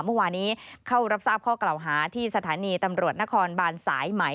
เมื่อวานี้เข้ารับทราบข้อกล่าวหาที่สถานีตำรวจนครบานสายไหม